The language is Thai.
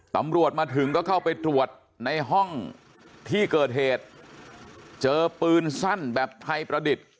ตำรวจมาถึงก็เข้าไปตรวจในห้องที่เกิดเหตุเจอปืนสั้นแบบไทยประดิษฐ์